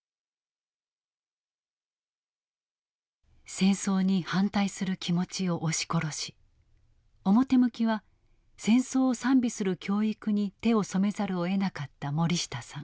戦争に反対する気持ちを押し殺し表向きは戦争を賛美する教育に手を染めざるをえなかった森下さん。